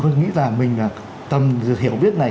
có nghĩ là mình là tầm hiểu biết này